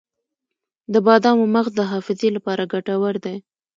د بادامو مغز د حافظې لپاره ګټور دی.